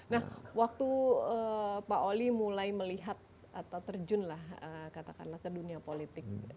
nah waktu pak oli mulai melihat atau terjunlah katakanlah ke dunia politik